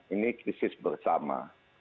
ini krisis bersama